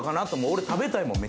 俺食べたいもん